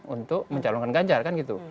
untuk mencalonkan ganjar kan gitu